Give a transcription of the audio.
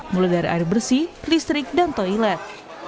mulai dari air bersih listrik dan toilet